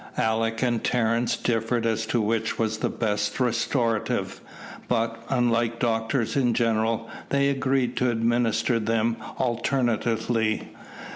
Alick and Terence differed as to which was the best restorative, but, unlike doctors in general, they agreed to administer them alternately.